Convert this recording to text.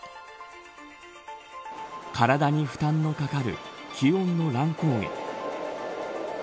体に負担のかかる気温の乱高下。